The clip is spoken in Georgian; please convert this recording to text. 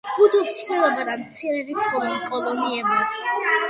ბუდობს წყვილებად ან მცირერიცხოვან კოლონიებად.